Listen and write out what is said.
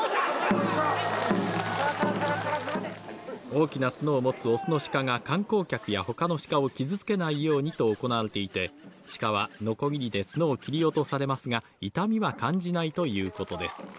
大きな角を持つ雄の鹿が観光客やほかの鹿を傷つけないようにと行われていて、鹿はのこぎりで角を切り落とされますが、痛みは感じないということです。